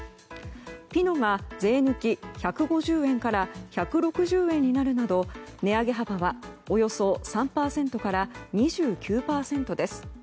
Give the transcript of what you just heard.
ピノが税抜き１５０円から１６０円になるなど値上げ幅はおよそ３％から２９％です。